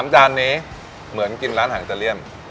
๓จานนี้เหมือนกินร้านแห่งเจรียม